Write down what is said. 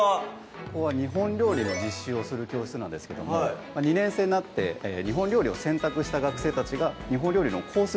ここは日本料理の実習をする教室なんですけども２年生になって日本料理を選択した学生たちが日本料理のコース